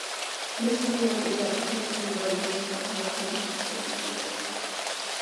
მესამე ნაწილი აწესებს აზერბაიჯანის მოქალაქეობის შეწყვეტის პირობებს.